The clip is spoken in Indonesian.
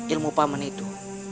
ilmu paman itu